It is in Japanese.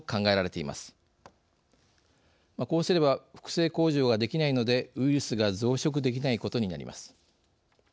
こうすれば複製工場ができないのでウイルスが増殖できないことになります。